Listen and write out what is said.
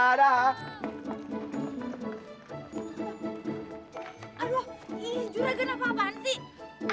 aduh juragan apa apaan sih